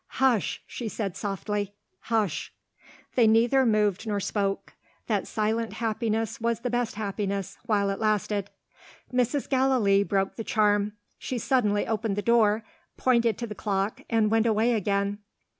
"Hush!" she said softly; "hush!" They neither moved nor spoke: that silent happiness was the best happiness, while it lasted. Mrs. Gallilee broke the charm. She suddenly opened the door, pointed to the clock, and went away again.